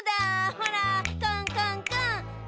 ほらコンコンコン！